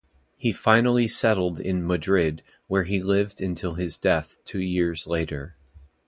He finally settled in Madrid, where he lived until his death two years later.